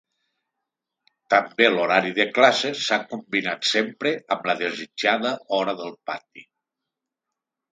També l'horari de classes s'ha combinat sempre amb la desitjada hora del pati.